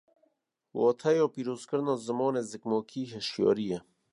Wateya pîrozkirina zimanê zikmakî hîşyarî ye